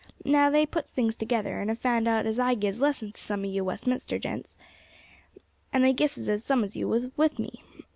Now they puts things together, and have found out as I gives lessons to some of you Westminster gents, and they guesses as some of you was with me.